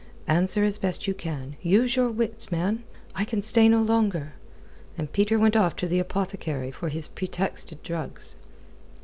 "Answer as best you can. Use your wits, man. I can stay no longer." And Peter went off to the apothecary for his pretexted drugs.